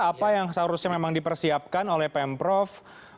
apa yang seharusnya memang dipersiapkan oleh pm prof